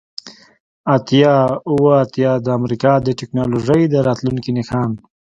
اتیا اوه اتیا د امریکا د ټیکنالوژۍ د راتلونکي نښان